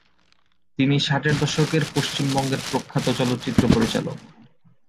তিনি ষাটের দশকের পশ্চিমবঙ্গের প্রখ্যাত চলচ্চিত্র পরিচালক।